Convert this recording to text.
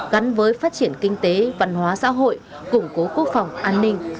gắn với phát triển kinh tế văn hóa xã hội củng cố quốc phòng an ninh